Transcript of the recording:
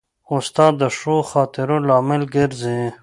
استاد د ښو خاطرو لامل ګرځي.